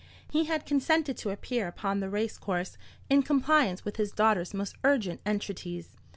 He had consented to appear upon the racecourse in compliance with his daughter's most urgent entreaties.